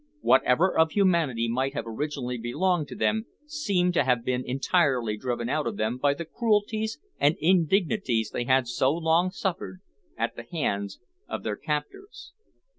Whatever of humanity might have originally belonged to them seemed to have been entirely driven out of them by the cruelties and indignities they had so long suffered at the hands of their captors.